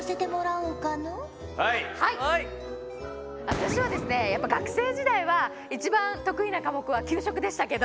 私はですねやっぱ学生時代は一番得意な科目は給食でしたけど。